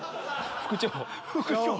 副長！